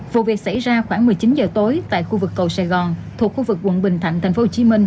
vụ việc xảy ra khoảng một mươi chín giờ tối tại khu vực cầu sài gòn thuộc khu vực quận bình thạnh tp hcm